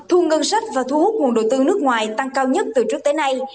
thu ngân sách và thu hút nguồn đầu tư nước ngoài tăng cao nhất từ trước tới nay